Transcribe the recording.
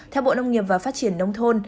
theo bộ nông nghiệp và phát triển nông thôn